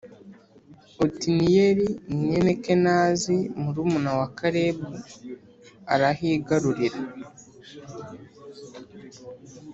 Otiniyeli mwene Kenazi, murumuna wa Kalebu, arahigarurira,